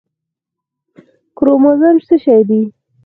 کروموزوم څه شی دی